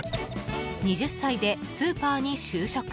２０歳でスーパーに就職。